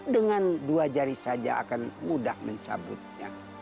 dengan dua jari saja akan mudah mencabutnya